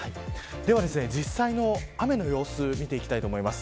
実際の雨の様子を見ていきたいと思います。